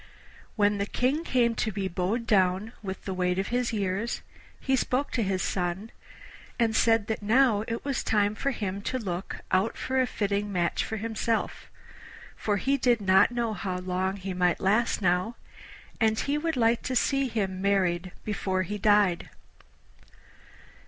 When the King came to be bowed down with the weight of years he spoke to his son, and said that now it was time for him to look out for a fitting match for himself, for he did not know how long he might last now, and he would like to see him married before he died.